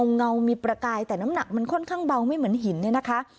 เงามีประกายแต่น้ำหนักมันค่อนข้างเบาไม่เหมือนหินเนี่ยนะคะ